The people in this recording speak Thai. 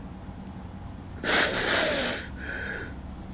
สุขภาพจิตอดเสียไปเลยนะครับทุกคนรู้สึกแย่มากมากมาก